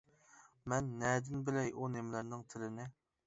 — مەن نەدىن بىلەي ئۇ نېمىلەرنىڭ تىلىنى.